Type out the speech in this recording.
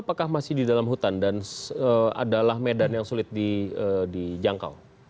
apakah masih di dalam hutan dan adalah medan yang sulit dijangkau